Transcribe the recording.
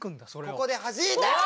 ここではじいて！